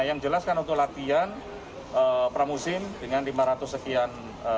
yang jelas kan untuk latihan pramusim dengan lima ratus sekian